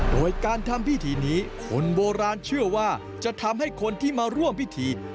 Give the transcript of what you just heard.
โดยการทำพิธีนี้คนโบราณเชื่อว่าจะทำให้คนที่มาร่วมพิธี